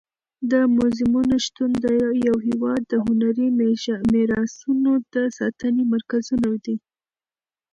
د موزیمونو شتون د یو هېواد د هنري میراثونو د ساتنې مرکزونه دي.